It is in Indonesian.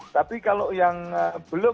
tapi kalau yang belum